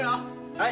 はい！